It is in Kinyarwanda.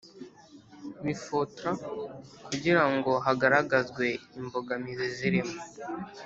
Mifotra kugira ngo hagaragazwe imbogamizi zirimo